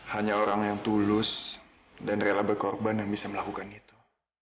hanya orang yang tulus dan rela berkorban yang bisa melakukan itu